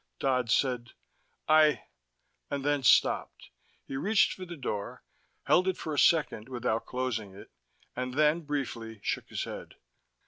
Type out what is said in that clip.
Dodd said: "I " and then stopped. He reached for the door, held it for a second without closing it, and then, briefly, shook his head.